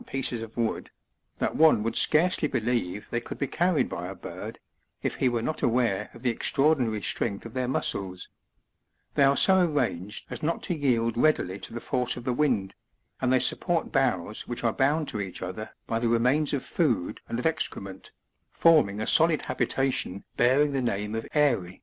25 pieces of wood, that one would scarcely believre they could be carried by a bird, if he were not aware of the extraordinary strength of their muscles ; they are so arranged as not to yield readily to the force of the wind, and they support boughs which are bound to each other by the remains of food and of excre ment, forming a solid habitation bearing the name of eyry.